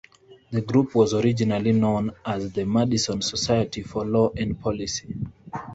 The group was originally known as the Madison Society for Law and Policy.